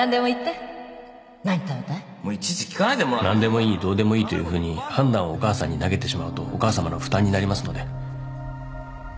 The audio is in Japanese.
何でもいいどうでもいいというふうに判断をお母さんに投げてしまうとお母さまの負担になりますので。